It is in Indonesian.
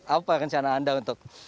apa rencana anda untuk